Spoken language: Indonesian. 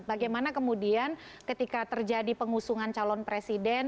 bagaimana kemudian ketika terjadi pengusungan calon presiden